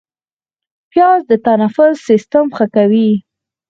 پیاز د تنفس سیستم ښه کوي